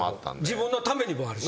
自分のためでもあるし。